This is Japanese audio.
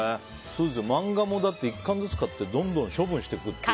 漫画も１巻ずつ買ってどんどん処分していくという。